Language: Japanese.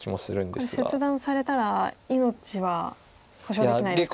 これ切断されたら命は保証できないですか。